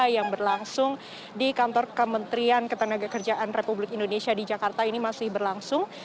yang berlangsung di kantor kementerian ketenaga kerjaan republik indonesia di jakarta ini masih berlangsung